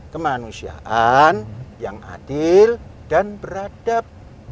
kemanusiaan yang adil dan beradab